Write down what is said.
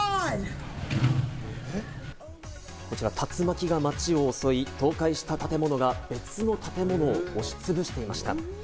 こちら竜巻が街を襲い、倒壊した建物が別の建物を押しつぶしていました。